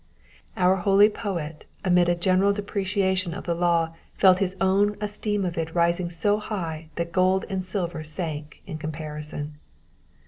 Our holy poet amid a general de preciation of the law felt his own esteem of it rising so high that gold and silver sank in comparison.